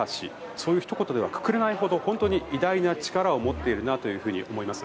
そういうひと言ではくくれないほど本当に偉大な力を持っていると思います。